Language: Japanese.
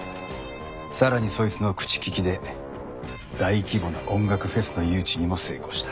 さらにそいつの口利きで大規模な音楽フェスの誘致にも成功した。